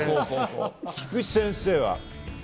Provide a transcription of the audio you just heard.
菊地先生は？